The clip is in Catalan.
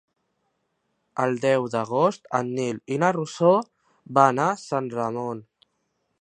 El deu d'agost en Nil i na Rosó van a Sant Ramon.